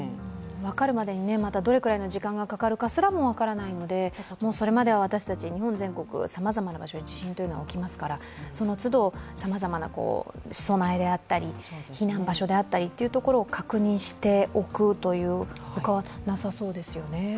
分かるまでにどれくらいの時間がかかるかすらも分からないのでそれまでは私たち、日本全国さまざまな場所で地震というのは起きますから、そのつど、さまざまな備えであったり避難場所であったりを確認しておくしかなさそうですね。